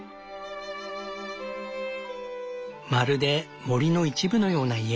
まるで森の一部のような家。